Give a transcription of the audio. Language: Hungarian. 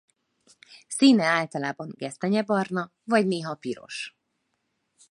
Színe általában gesztenyebarna vagy néha piros.